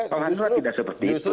kalau hanura tidak seperti itu